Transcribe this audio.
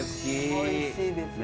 おいしいですよね。